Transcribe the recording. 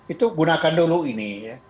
itu gunakan dulu ini ya